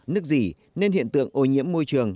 nước dì nên hiện tượng ô nhiễm môi trường